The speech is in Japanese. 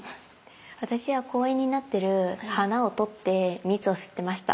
私は公園になってる花を取って蜜を吸ってました。